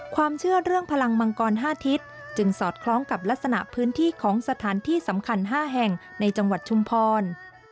ความเชื่อเรื่องพลังมังกร๕ทิศจึงสอดคล้องกับลักษณะพื้นที่ของสถานที่สำคัญ๕แห่งในจังหวัดชุมพร